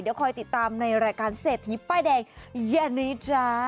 เดี๋ยวคอยติดตามในรายการเศรษฐีป้ายแดงเย็นนี้จ้า